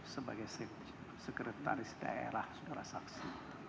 sebagai sekretaris daerah saudara saksi